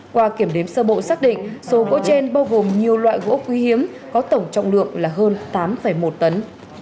qua kiểm đếm sơ bộ xác định số gỗ trên bao gồm nhiều loại gỗ quý hiếm có tổng trọng lượng là hơn tám một tấn